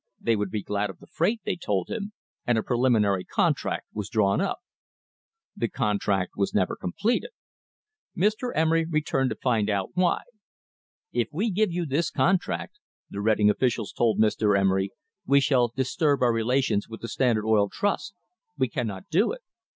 They would be glad of the freight, they told him, and a preliminary contract was drawn up. The contract was never completed. Mr. Emery returned to find out why. "If we give you this contract," the Reading officials told Mr. Emery, "we shall disturb our relations with the Standard Oil Trust. We cannot do it."